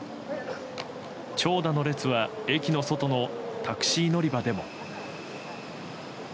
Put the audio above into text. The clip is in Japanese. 長蛇の列は駅の外のタクシー乗り場でも。